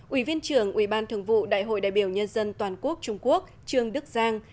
ủy viên trưởng ủy ban thường vụ đại hội đại biểu nhân dân toàn quốc trung quốc trương đức giang